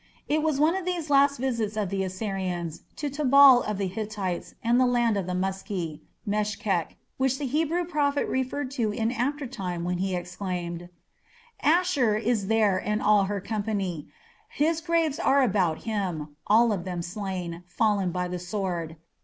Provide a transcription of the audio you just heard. It was one of these last visits of the Assyrians to Tabal of the Hittites and the land of the Muski (Meshech) which the Hebrew prophet referred to in after time when he exclaimed: Asshur is there and all her company: his graves are about him: all of them slain, fallen by the sword....